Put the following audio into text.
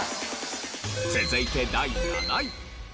続いて第７位。